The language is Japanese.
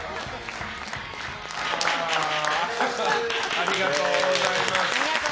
ありがとうございます。